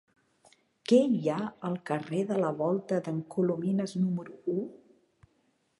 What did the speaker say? Què hi ha al carrer de la Volta d'en Colomines número u?